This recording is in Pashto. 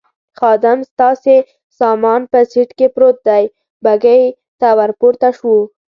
خادم: ستاسې سامان په سېټ کې پروت دی، بګۍ ته ور پورته شوو.